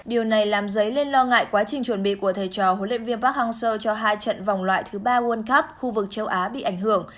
điều này làm dấy lên lo ngại quá trình chuẩn bị của thầy trò huấn luyện viên park hang seo cho hai trận vòng loại thứ ba world cup khu vực châu á bị ảnh hưởng